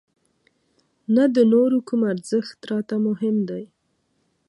نه د نورو کوم ارزښت راته مهم دی.